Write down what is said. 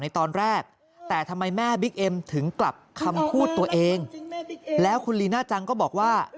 ในตอนแรกแต่ทำไมแม่บิ๊กเอ็มถึงกลับคำพูดตัวเองแล้วคุณลีน่าจังก็บอกว่า